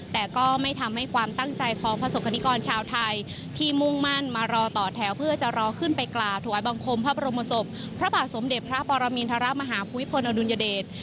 แต่ก็ไม่ทำให้ความตั้งใจของประสบกรณิกรชาวไทยที่มุ่งมั่นมารอต่อแถวเพื่อจะรอขึ้นไปกล่าวถวายบังคมพระบรมศพพระบาทสมเด็จพระปรมินทรมาฮาภูมิพลอดุลยเดช